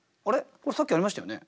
これさっきありましたよね。